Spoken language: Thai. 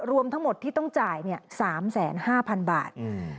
รวมทั้งหมดที่ต้องจ่าย๓๕๐๐๐บาท